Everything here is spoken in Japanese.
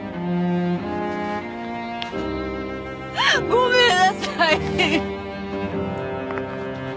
ごめんなさい！